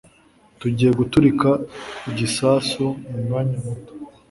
Tugiye guturika igisasu mumwanya muto.